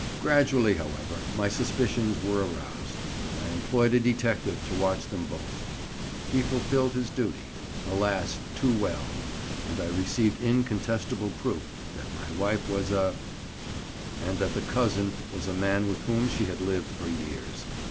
Gradually, however, my suspicions were aroused, and I employed a detective to watch them both. He fulfilled his duty, alas! too well, and I received incontestable proof that my wife was a —, and that the 'cousin' was a man with whom she had lived for years.